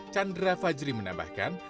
chandra fajri menambahkan